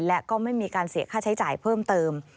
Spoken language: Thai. และก็ไม่มีการเสียค่าใช้จ่ายเพิ่มเติม